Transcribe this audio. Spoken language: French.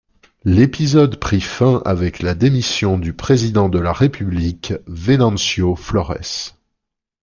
L'épisode prit fin avec la démission du président de la République, Venancio Flores.